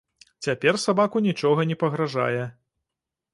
Цяпер сабаку нічога не пагражае.